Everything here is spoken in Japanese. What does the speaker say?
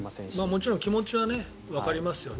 もちろん気持ちはわかりますよね。